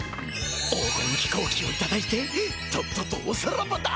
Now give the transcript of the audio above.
黄金飛行機をいただいてとっととおさらばだ！